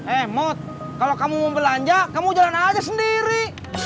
emot kalau kamu mau belanja kamu jalan aja sendiri